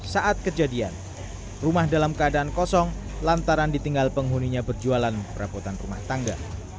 saat kejadian rumah dalam keadaan kosong lantaran ditinggal penghuninya berjualan perabotan rumah tangga